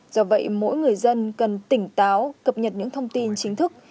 do vậy mỗi người dân cần tỉnh táo cập nhật những thông tin chính thức